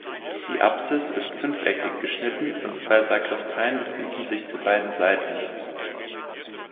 Die Apsis ist fünfeckig geschnitten und zwei Sakristeien befinden sich zu beiden Seiten.